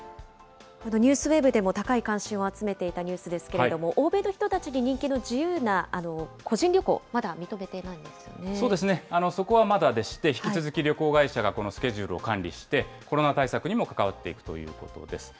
ＮＥＷＳＷＥＢでも高い関心を集めていたニュースですけれども、欧米の人たちに人気の自由な個人旅行、まだ認めてないんですそうですね、そこはまだでして、引き続き旅行会社がこのスケジュールを管理して、コロナ対策にもかかわっていくということです。